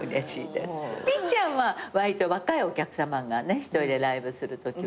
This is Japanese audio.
ミッちゃんはわりと若いお客さまがね１人でライブするときは。